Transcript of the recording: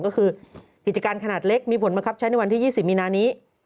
ก็คือกิจการขนาดเล็กมีผลบังคับใช้ในวันที่๒๐มีนานี้